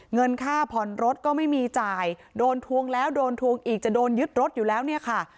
เงินค่าผ่อนรถก็ไม่มีจ่ายโดนทวงแล้วโดนทวงอีกจะโดนยึดรถอยู่แล้วเนี่ยค่ะ